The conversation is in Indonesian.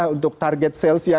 untuk target sales ya